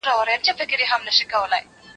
ډيرو قوميانو ئې رسالت ونه مانه.